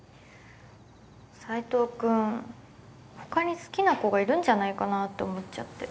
斎藤君他に好きな子がいるんじゃないかなって思っちゃって。